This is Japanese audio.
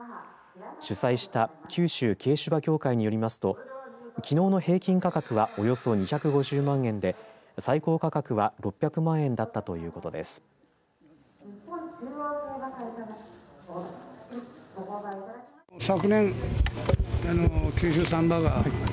主催した九州軽種馬協会によりますときのうの平均価格はおよそ２５０万円で最高価格は６００万円だったということです。